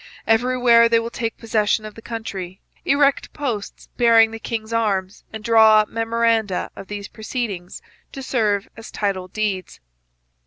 Everywhere they will take possession of the country, erect posts bearing the king's arms, and draw up memoranda of these proceedings to serve as title deeds.'